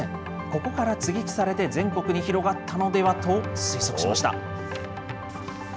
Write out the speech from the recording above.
ここから接ぎ木されて全国に広がったのではと推測しました。